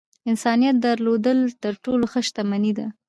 انسانيت درلودل تر ټولو ښۀ شتمني ده .